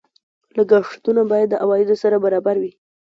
لګښتونه باید د عوایدو سره برابر وي.